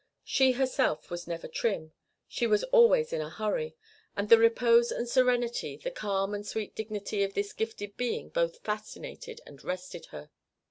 She herself was never trim; she was always in a hurry; and the repose and serenity the calm and sweet dignity of this gifted being both fascinated and rested her.